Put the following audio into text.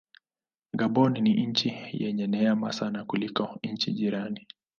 Gabon ni nchi yenye neema sana kuliko nchi jirani.